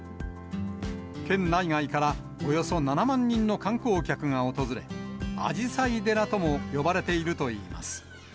県内外からおよそ７万人の観光客が訪れ、アジサイ寺とも呼ばれているといいます。